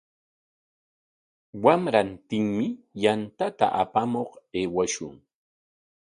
Warantinmi yantata apamuq aywashun.